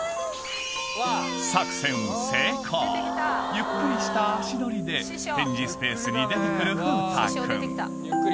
ゆっくりした足取りで展示スペースに出てくる風太くん